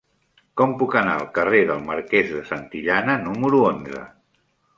Com puc anar al carrer del Marquès de Santillana número onze?